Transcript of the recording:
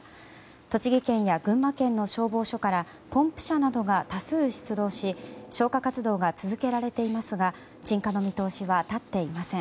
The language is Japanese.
栃木県や群馬県の消防署からポンプ車などが多数出動し消火活動が続けられていますが鎮火の見通しは立っていません。